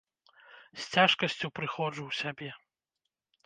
З цяжкасцю прыходжу ў сябе.